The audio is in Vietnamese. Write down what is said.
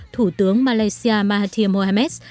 thủ tướng malaysia mahathir mohamed